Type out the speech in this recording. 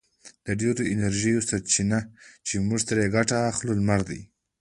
د ډېرو انرژیو سرچینه چې موږ ترې ګټه اخلو لمر دی.